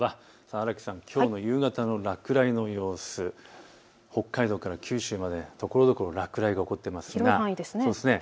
荒木さん、夕方の落雷の様子、北海道から九州までところどころで落雷起こっていますね。